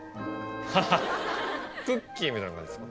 クッキーみたいな感じですか？